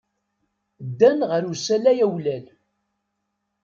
Ddan ɣer usalay awlal.